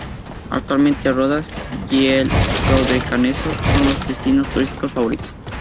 Actualmente Rodas y el Dodecaneso son los destinos turísticos favoritos.